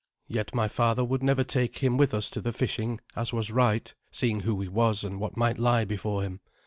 Yet my father would never take him with us to the fishing, as was right, seeing who he was and what might lie before him.